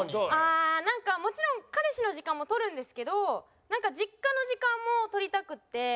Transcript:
ああなんかもちろん彼氏の時間も取るんですけどなんか実家の時間も取りたくって。